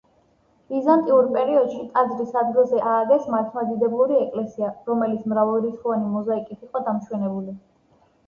ბიზანტიურ პერიოდში ტაძრის ადგილზე ააგეს მართლმადიდებლური ეკლესია, რომელიც მრავალრიცხოვანი მოზაიკით იყო დამშვენებული.